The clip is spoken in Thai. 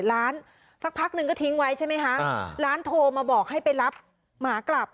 ล้านสักพักนึงก็ทิ้งไว้ใช่ไหมคะร้านโทรมาบอกให้ไปรับหมากลับ